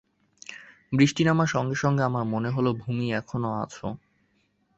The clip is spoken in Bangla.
বৃষ্টি নামার সঙ্গে সঙ্গে আমার মনে হল ভূমি এখনো আছ।